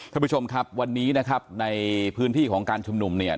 ท่านผู้ชมครับวันนี้นะครับในพื้นที่ของการชุมนุมเนี่ย